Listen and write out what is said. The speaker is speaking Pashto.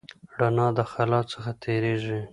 رڼا د خلا څخه تېرېږي.